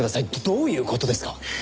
どういう事ですか？